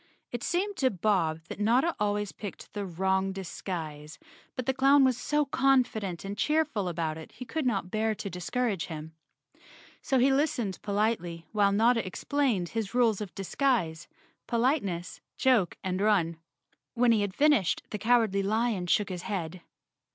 It seemed to Bob that Notta always picked the wrong disguise, but the clown was so confident and cheerful about it he could not bear to discourage him. So he listened politely while Notta explained his rules of disguise, politeness, joke and run. When he had fin¬ ished the Cowardly Lion shook his head.